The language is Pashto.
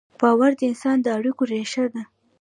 باور د انسان د اړیکو ریښه ده.